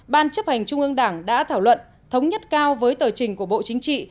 ban chấp hành trung ương đảng đã thảo luận thống nhất cao với tờ trình của bộ chính trị